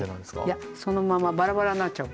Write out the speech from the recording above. いやそのままバラバラになっちゃう。